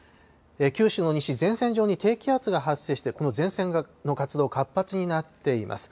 九州の西、前線上に低気圧が発生して、この前線の活動、活発になっています。